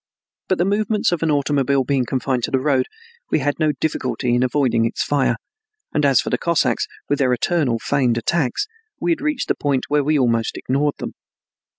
But the movements of an automobile being confined to the road, we had no difficulty in avoiding its fire, and as for the Cossacks with their eternal feigned attacks, we had reached the point where we almost ignored them.